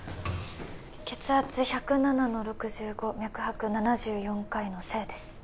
血圧１０７の６５脈拍７４回の整です